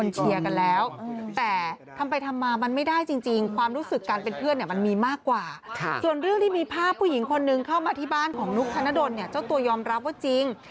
เจ้าตัวยอมรับว่าจริง